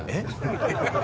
ハハハハ！